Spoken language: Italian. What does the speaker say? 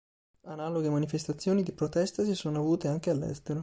Analoghe manifestazioni di protesta si sono avute anche all'estero.